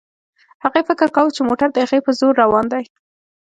هغې فکر کاوه چې موټر د هغې په زور روان دی.